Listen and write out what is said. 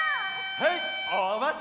へいおまち！